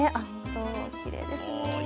きれいですね。